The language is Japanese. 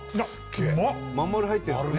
まん丸入ってるんですね